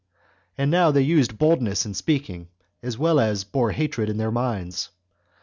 And now they used boldness in speaking, as well as bore hatred in their minds.